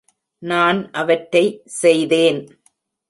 நான் அவற்றை செய்தேன்.